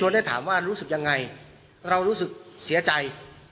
ได้ถามว่ารู้สึกยังไงเรารู้สึกเสียใจ